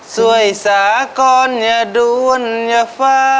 สวยสากรณ์อย่าด้วนอย่าฟ้า